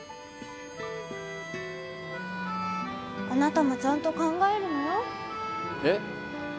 あなたもちゃんと考えるのよえっ？